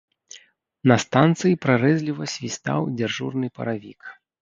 На станцыі прарэзліва свістаў дзяжурны паравік.